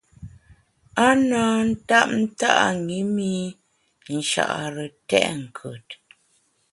A na tap nta’ ṅi mi Nchare tèt nkùt.